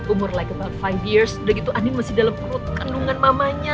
umur about five years udah gitu andi masih dalam perut kandungan mamanya